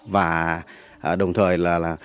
và đồng thời là